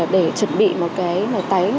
để chuẩn bị một cái